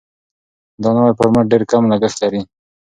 دا نوی فارمټ ډېر کم لګښت لري.